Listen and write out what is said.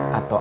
gak tau kum